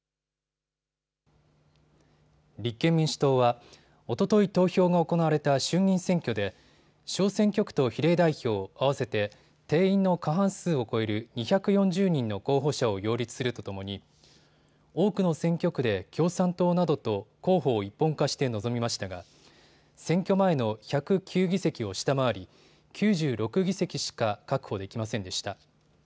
立憲民主党は、おととい投票が行われた衆議院選挙で小選挙区と比例代表合わせて定員の過半数を超える２４０人の候補者を擁立するとともに多くの選挙区で共産党などと候補を一本化して臨みましたが選挙前の１０９議席を下回り、９６議席しか確保できませんでした。